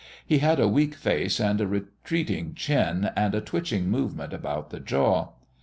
He had a weak face and a retreating chin and a twitching movement about the jaw.